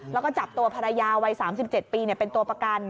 แล้วก็จับตัวภรรยาวัย๓๗ปีเป็นตัวประกัน